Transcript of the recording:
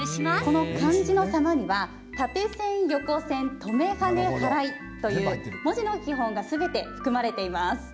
この漢字の「様」には縦線、横線、止め、はね、はらいという文字の基本がすべて含まれています。